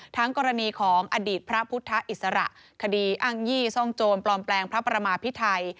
กรณีของอดีตพระพุทธอิสระคดีอ้างยี่ซ่องโจรปลอมแปลงพระประมาพิไทย